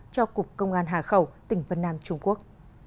cho cục công an hà khẩu tỉnh vân nam trung quốc